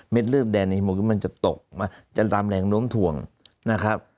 เม็ดเลือดแดนในชั่วโมงนี้มันจะตกมาจนตามแรงน้วมถ่วงนะครับ